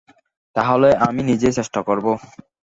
তাহলে আমি নিজেই চেষ্টা করব।